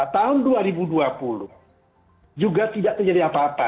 tahun dua ribu dua puluh juga tidak terjadi apa apa